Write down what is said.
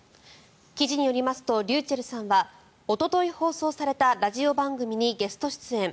記事によりますとｒｙｕｃｈｅｌｌさんはおととい放送されたラジオ番組にゲスト出演。